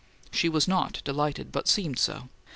She was not delighted, but seemed so.